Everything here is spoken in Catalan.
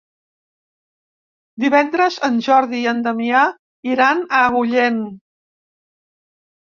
Divendres en Jordi i en Damià iran a Agullent.